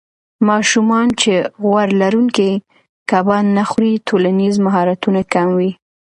ماشومان چې غوړ لرونکي کبان نه خوري، ټولنیز مهارتونه کم وي.